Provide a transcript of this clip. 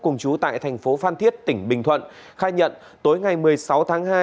cùng chú tại tp phan thiết tỉnh bình thuận khai nhận tối ngày một mươi sáu tháng hai